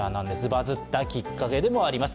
バズったきっかけでもあります。